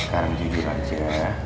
sekarang jadi raja